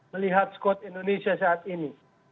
melihat skot indonesia saat ini